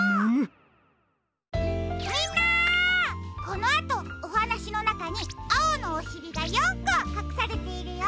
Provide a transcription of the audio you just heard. このあとおはなしのなかにあおのおしりが４こかくされているよ。